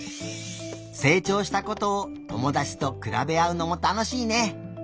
せいちょうしたことを友だちとくらべあうのもたのしいね！